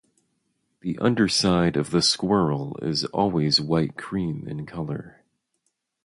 The underside of the squirrel is always white-cream in colour.